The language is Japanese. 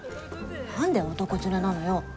なんで男連れなのよ？